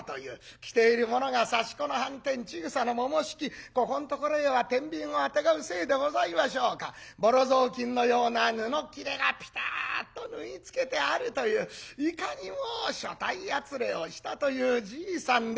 着ているものが刺し子の半纏千草のもも引きここんところへは天秤をあてがうせいでございましょうかボロぞうきんのような布っきれがピターッと縫い付けてあるといういかにも所帯やつれをしたというじいさんで。